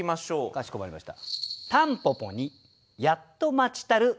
かしこまりました。